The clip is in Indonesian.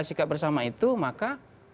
sikap bersama itu maka